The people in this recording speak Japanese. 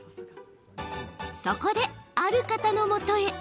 そこで、ある方のもとへ。